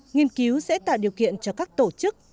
nghiên cứu sẽ tạo điều kiện cho các tổ chức